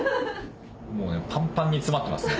もうパンパンに詰まってますね。